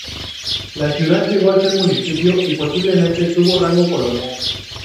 La ciudad llegó a ser municipio y posiblemente tuvo rango colonial.